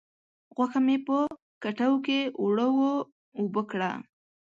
غوښه مې په کټو کې اوړه و اوبه کړه.